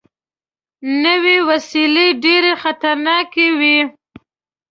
نوې وسلې ډېرې خطرناکې وي